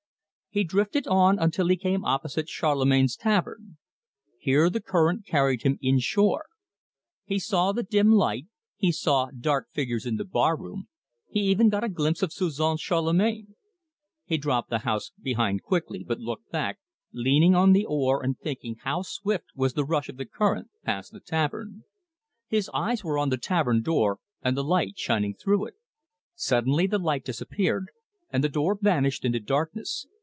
He drifted on until he came opposite Charlemagne's tavern. Here the current carried him inshore. He saw the dim light, he saw dark figures in the bar room, he even got a glimpse of Suzon Charlemagne. He dropped the house behind quickly, but looked back, leaning on the oar and thinking how swift was the rush of the current past the tavern. His eyes were on the tavern door and the light shining through it. Suddenly the light disappeared, and the door vanished into darkness.